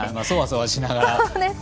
そわそわしながら。